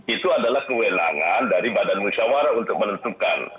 itu adalah kewenangan dari badan musyawarah untuk menentukan